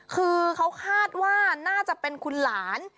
คือเขาคาดว่าน่าจะเป็นคุณหลาน